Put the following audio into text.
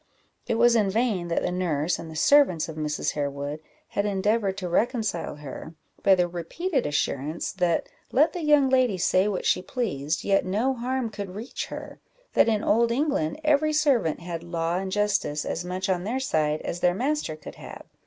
It was in vain that the nurse and the servants of Mrs. Harewood had endeavoured to reconcile her, by the repeated assurance, that let the young lady say what she pleased, yet no harm could reach her: that in old England, every servant had law and justice as much on their side as their master could have.